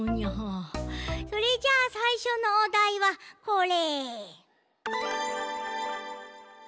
それじゃあさいしょのおだいはこれ。